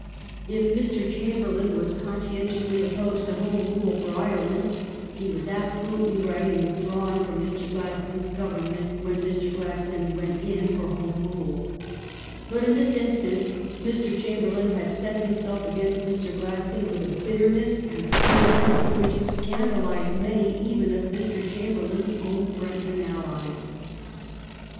If Mr. Chamberlain was conscientiously opposed to Home Rule for Ireland, he was absolutely right in withdrawing from Mr. Gladstone's Government when Mr. Gladstone went in for Home Rule. But in this instance Mr. Chamberlain had set himself against Mr. Gladstone with a bitterness and a vehemence which scandalized many even of Mr. Chamberlain's own friends and allies. Mr.